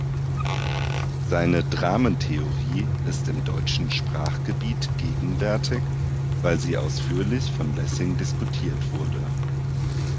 Seine Dramentheorie ist im deutschen Sprachgebiet gegenwärtig, weil sie ausführlich von Lessing diskutiert wurde.